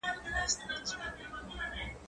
زه پرون سينه سپين کوم!.